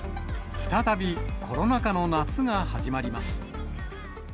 再びコロナ禍の夏が始まります。